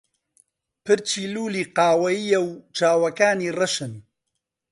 پرچی لوولی قاوەیییە و چاوەکانی ڕەشن.